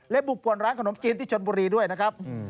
บุกป่วนร้านขนมจีนที่ชนบุรีด้วยนะครับ